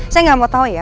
saya gak mau tau ya